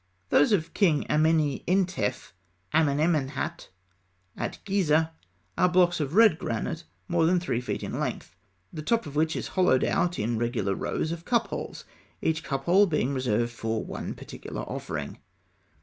Those of King Ameni Entef Amenemhat, at Gizeh, are blocks of red granite more than three feet in length, the top of which is hollowed out in regular rows of cup holes, each cup hole being reserved for one particular offering.